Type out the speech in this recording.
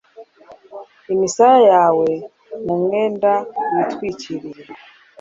imisaya yawe mu mwenda witwikiriye